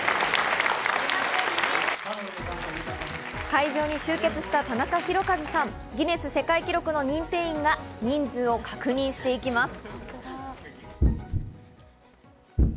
会場に集結したタナカヒロカズさん、ギネス世界記録の認定員が人数を確認していきます。